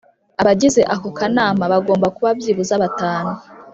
Abagize ako kanama bagomba kuba byibuze batanu